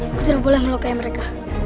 aku tidak boleh melukai mereka